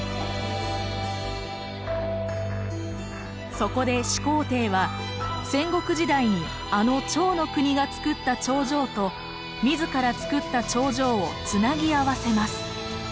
そこで始皇帝は戦国時代にあの趙の国がつくった長城と自らつくった長城をつなぎ合わせます。